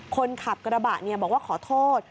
คนขับกระบะบอกว่าขอโทษ